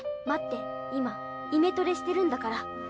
待って今イメトレしてるんだから。